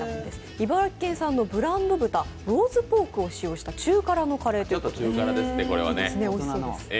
茨城県産のブランド豚ローズポークを使用した中辛のカレーということで、おいしそうです。